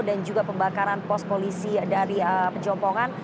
dan juga pembakaran pos polisi dari pejompongan